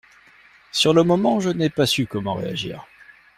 Sur le moment, je n'ai pas su comment réagir.